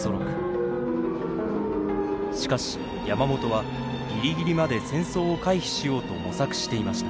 しかし山本はギリギリまで戦争を回避しようと模索していました。